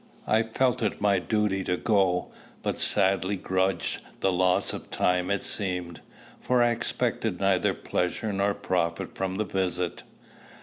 I felt it my duty to go, but sadly grudged the loss of time it seemed, for I expected neither pleasure nor profit from the visit.